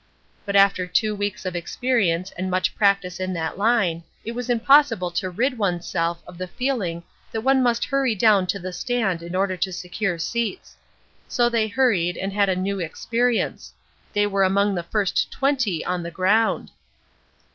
But after two weeks of experience and much practice in that line, it was impossible to rid onesself of the feeling that one must hurry down to the stand in order to secure seats; so they hurried, and had a new experience; they were among the first twenty on the ground.